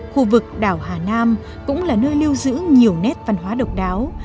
khu vực đảo hà nam cũng là nơi lưu giữ nhiều nét văn hóa độc đáo